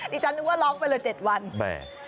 ดิฉันนึกว่าร้องไปเลย๗วันแม่